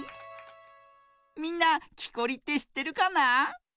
みんなきこりってしってるかな？